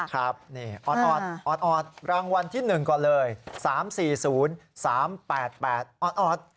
ครับนี่ออดรางวัลที่๑ก่อนเลย๓๔๐๓๘๘ออด